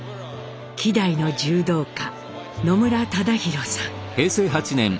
希代の柔道家野村忠宏さん。